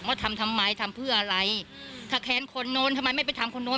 ทำทำไมทำเพื่ออะไรถ้าแค้นคนนู้นทำไมไม่ไปทำคนนู้น